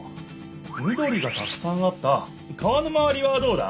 みどりがたくさんあった川のまわりはどうだ？